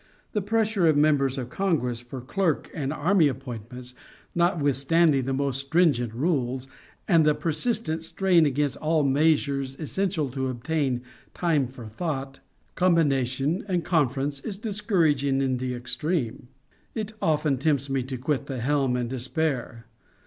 The pressure of members of Congress for clerk and army appointments, notwithstanding the most stringent rules, and the persistent strain against all measures essential to obtain time for thought, combination, and conference, is discouraging in the extreme it often tempts me to quit the helm in despair.